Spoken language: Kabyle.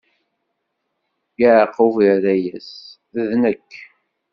Yeɛqub irra-yas: D nekk.